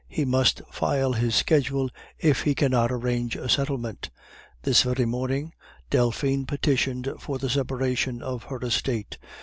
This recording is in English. He must file his schedule if he cannot arrange a settlement. This very morning Delphine petitioned for the separation of her estate.